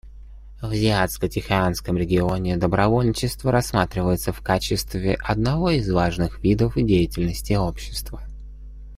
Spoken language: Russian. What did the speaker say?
В Азиатско-Тихоокеанском регионе добровольчество рассматривается в качестве одного из важных видов деятельности общества.